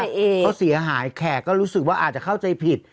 เขาเสียหายแขกก็รู้สึกว่าอาจจะเข้าใจผิด